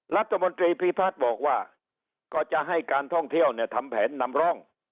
รัฐมนตรีพิพัฒน์บอกว่าก็จะให้การท่องเที่ยวเนี่ยทำแผนนำร่อง